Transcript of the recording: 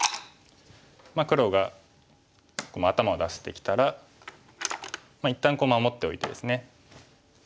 黒が頭を出してきたら一旦守っておいてですね。